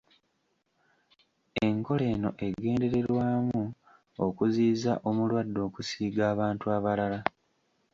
Enkola eno egendererwamu okuziyiza omulwadde okusiiga abantu abalala.